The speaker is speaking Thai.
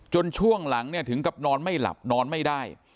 ช่วงหลังเนี่ยถึงกับนอนไม่หลับนอนไม่ได้